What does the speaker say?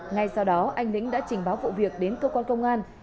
ngay sau đó anh lĩnh đã trình báo vụ việc đến cơ quan công an